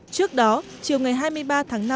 trước đó chiều ngày hai mươi ba tháng năm